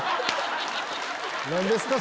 何ですか？